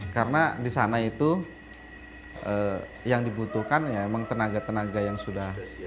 karena di sana itu yang dibutuhkan emang tenaga tenaga yang sudah siap kerja